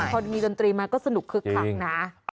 พอมีดนตรีมาก็สนุกคึกคักนะ